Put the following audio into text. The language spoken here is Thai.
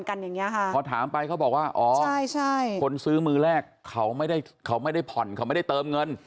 เค้าบอกว่าอ๋อคนซื้อมือแรกเค้าไม่ได้ผ่อนเค้าไม่ได้เติมเงิน